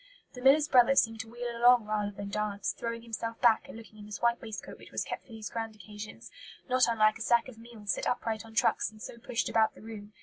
The miller's brother seemed to wheel along rather than dance, throwing himself back and looking, in his white waistcoat which was kept for these grand occasions, not unlike a sack of meal set upright on trucks and so pushed about the room.